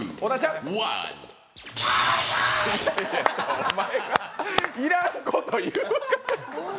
お前がいらんこと言うから。